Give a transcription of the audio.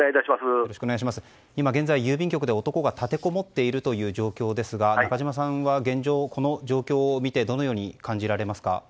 今現在、郵便局で男が立てこもっているという状況ですが中島さんはこの状況を見てどのように感じられますか？